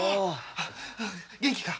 元気か？